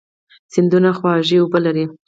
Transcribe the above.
سیندونه خوږې اوبه لري.